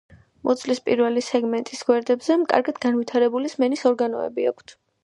მუცლის პირველი სეგმენტის გვერდებზე კარგად განვითარებული სმენის ორგანოები აქვთ.